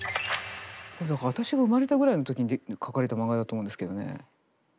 だから私が生まれたぐらいの時に描かれた漫画だと思うんですけどね。